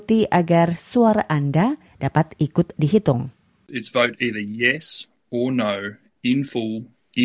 terdapat pada perhitungan yang telah dilakukan oleh sdi